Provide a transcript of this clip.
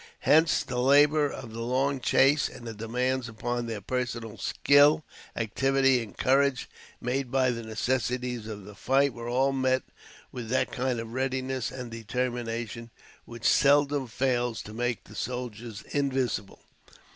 Hence, the labor of the long chase and the demands upon their personal skill, activity and courage made by the necessities of the fight, were all met with that kind of readiness and determination which seldom fails to make the soldier invincible.